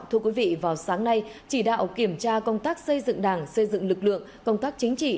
thưa quý vị vào sáng nay chỉ đạo kiểm tra công tác xây dựng đảng xây dựng lực lượng công tác chính trị